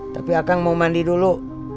tapi akan mau mandi dulu